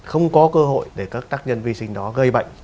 không có cơ hội để các tác nhân vi sinh đó gây bệnh